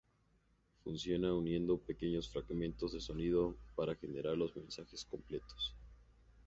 Funciona uniendo pequeños fragmentos de sonido para generar los mensajes completos.